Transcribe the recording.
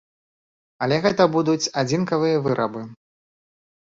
Але гэта будуць адзінкавыя вырабы.